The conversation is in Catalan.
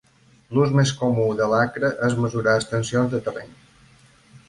L"ús més comú de l"acre és mesurar extensions de terreny.